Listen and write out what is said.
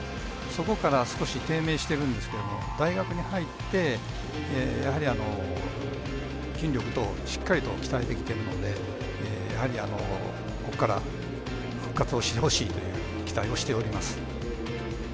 そこから少し低迷してるんですけども大学に入って、やはり筋力等しっかりと鍛えてきてるのでやはり、ここから復活をしてほしいという期待をしております。